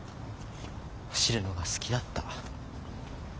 走るのが好きだった。